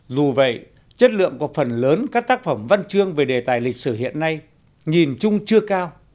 dù vậy chất lượng của phần lớn các tác phẩm văn chương về đề tài lịch sử hiện nay nhìn chung chưa cao